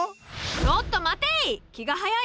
ちょっと待てい！